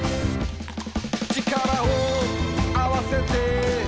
「力をあわせて」